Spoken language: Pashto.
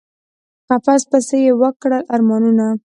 په قفس پسي یی وکړل ارمانونه